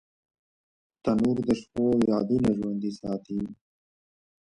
تنور د شپو یادونه ژوندۍ ساتي